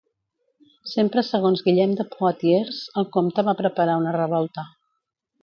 Sempre segons Guillem de Poitiers, el comte va preparar una revolta.